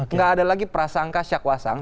nggak ada lagi prasangka syakwasang